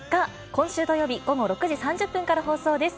今週土曜日午後６時３０分から放送です。